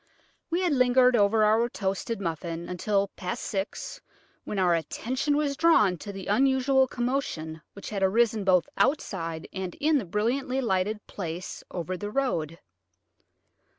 We had lingered over our toasted muffin until past six, when our attention was drawn to the unusual commotion which had arisen both outside and in the brilliantly lighted place over the road.